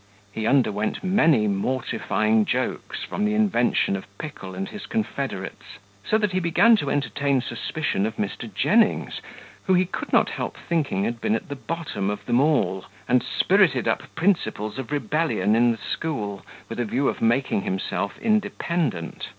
He underwent many mortifying jokes front the invention of Pickle and his confederates; so that he began to entertain suspicion of Mr. Jennings, who he could not help thinking had been at the bottom of them all, and spirited up principles of rebellion in the school, with a view of making himself independent.